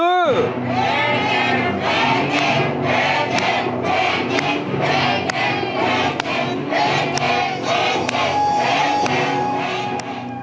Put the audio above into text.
เพลงเก่ง